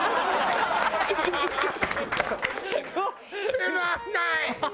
つまんない！